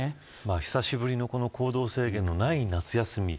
久しぶりの行動制限のない夏休み